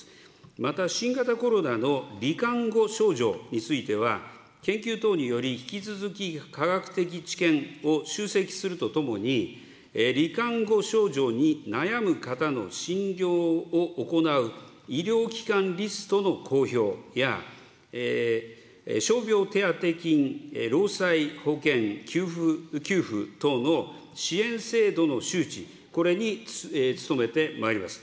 また新型コロナのり患後症状については、研究等により、引き続き科学的知見を集積するとともに、り患後症状に悩む方の診療を行う医療機関リストの公表や、傷病手当金、労災保険給付等の支援制度の周知、これに努めてまいります。